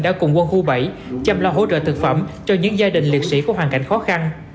đã cùng quân khu bảy chăm lo hỗ trợ thực phẩm cho những gia đình liệt sĩ có hoàn cảnh khó khăn